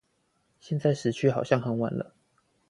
現在時區好像很晚了